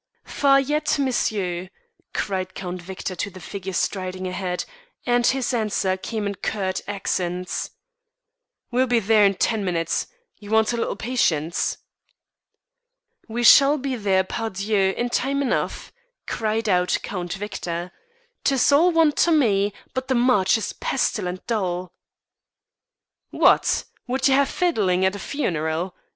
"Far yet, monsieur?" cried Count Victor to the figure striding ahead, and his answer came in curt accents. "We'll be there in ten minutes. You want a little patience." "We shall be there, par dieu! in time enough," cried out Count Victor. "'Tis all one to me, but the march is pestilent dull." "What! would ye have fiddlin' at a funeral?"